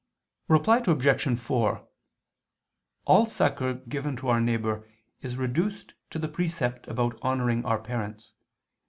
Reply Obj. 4: All succor given to our neighbor is reduced to the precept about honoring our parents.